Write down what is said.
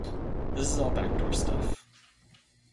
This is all back door stuff.